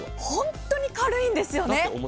本当に軽いんですよ。